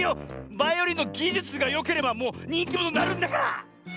バイオリンのぎじゅつがよければもうにんきものになるんだから！